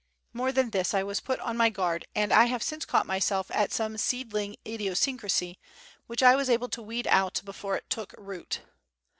More than this, I was put on my guard, and I have since caught myself at some seedling idiosyncrasy, which I was able to weed out before it took root.